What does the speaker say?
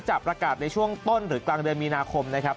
จะประกาศในช่วงต้นหรือกลางเดือนมีนาคมนะครับ